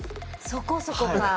そこそこか。